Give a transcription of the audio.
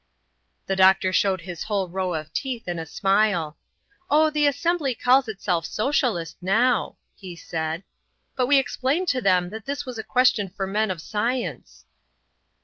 The doctor showed his whole row of teeth in a smile. "Oh, the assembly calls itself Socialist now," he said, "But we explained to them that this was a question for men of science."